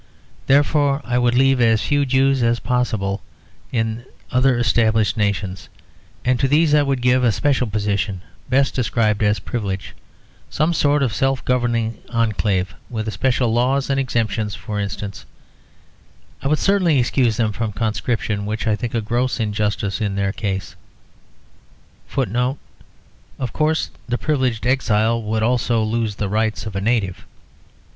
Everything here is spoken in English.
Therefore I would leave as few Jews as possible in other established nations, and to these I would give a special position best described as privilege; some sort of self governing enclave with special laws and exemptions; for instance, I would certainly excuse them from conscription, which I think a gross injustice in their case. [Footnote: Of course the privileged exile would also lose the rights of a native.